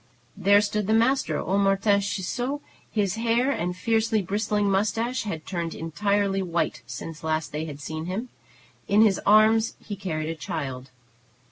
There stood the master, old Martin Ciseaux. His hair and fiercely bristling mustache had turned entirely white since they had last seen him. In his arms he carried a child.